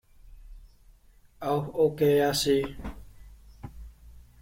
Oh okay, I see.